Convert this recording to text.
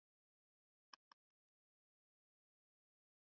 kufugwa alitumia mamba hao na simba kuulia wapinzani